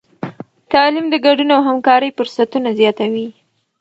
تعلیم د ګډون او همکارۍ فرصتونه زیاتوي.